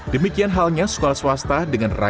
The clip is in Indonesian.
demikian halnya sekolah swasta dengan rasa